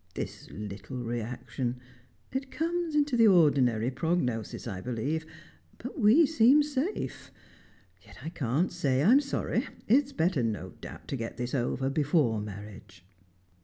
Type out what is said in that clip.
"This little reaction. It comes into the ordinary prognosis, I believe; but we seemed safe. Yet I can't say I'm sorry. It's better no doubt, to get this over before marriage."